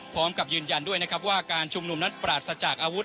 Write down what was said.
พร้อมกับยืนยันด้วยนะครับว่าการชุมนุมนั้นปราศจากอาวุธ